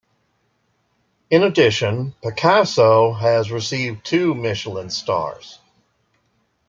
In addition, Picasso has received two Michelin stars.